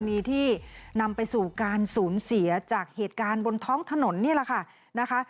นี่ที่นำไปสู่การสูญเสียจากเหตุการณ์บนท้องถนนนี่แหละค่ะนะคะ